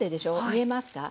見えますか。